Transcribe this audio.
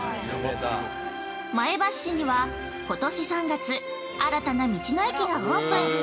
前橋市には、今年３月、新たな道の駅がオープン！